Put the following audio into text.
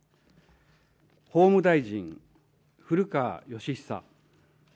法務大臣、古川禎久。